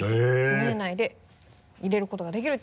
見えないで入れることができるという。